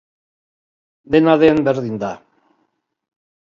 Dena den, berdin da.